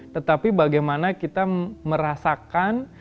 tetapi bagaimana kita merasakan